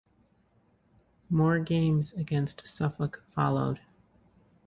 More games against Suffolk followed.